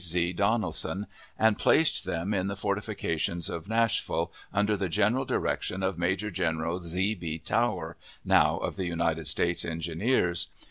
Z. Donaldson, and placed them in the fortifications of Nashville, under the general direction of Major General Z. B. Tower, now of the United States Engineers.